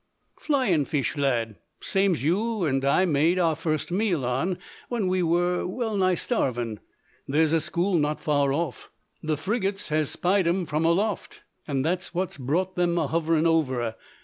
"Flyin' fish, lad; same's you an' I made our first meal on, when we wur wellnigh starvin'. There's a school not far off. The frigates has spied 'em from aloft, an' that's what's brought them hoverin' over.